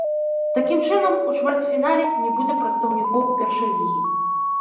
Такім чынам, у чвэрцьфінале не будзе прадстаўнікоў першай лігі.